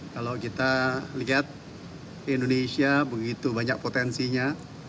kalau kita lihat indonesia begitu banyak potensinya